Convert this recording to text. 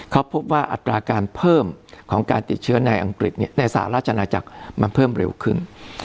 เขาพบว่าอัตราการเพิ่มของการติดเชื้อในอังกฤษในสหราชนาจักรมันเพิ่มเร็วขึ้น